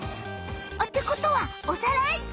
あってことはおさらい？